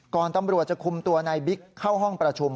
ตำรวจจะคุมตัวนายบิ๊กเข้าห้องประชุม